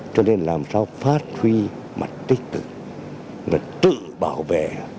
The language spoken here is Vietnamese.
cho nên làm sao phát huy mặt tích cực là tự bảo vệ